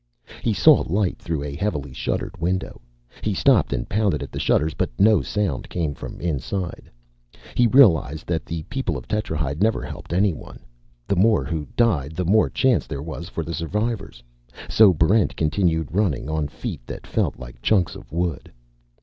He saw light through a heavily shuttered window. He stopped and pounded at the shutters, but no sound came from inside. He realized that the people of Tetrahyde never helped anyone; the more who died, the more chance there was for the survivors. So Barrent continued running, on feet that felt like chunks of wood.